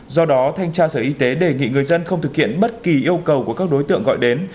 do đó thanh tra sở y tế đề nghị người dân không thực hiện bất kỳ yêu cầu của các đối tượng gọi đến